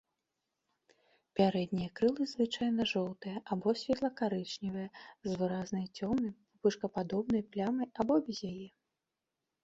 Пярэднія крылы звычайна жоўтыя або светла-карычневыя, з выразнай цёмным пупышкападобнай плямай або без яе.